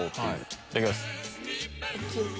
いただきます。